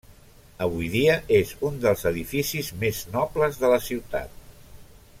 Avui dia és un dels edificis més nobles de la ciutat.